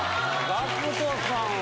ＧＡＣＫＴさんは。